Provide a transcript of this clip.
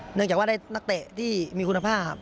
เนื่องจากว่าได้นักเตะที่มีคุณภาพครับ